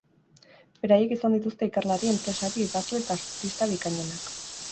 Beraiek izan dituzte ikerlari, enpresari, idazle eta artista bikainenak.